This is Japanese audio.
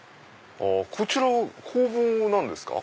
こちらは工房なんですか？